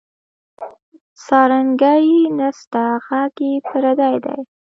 سارنګۍ نسته ږغ یې پردی دی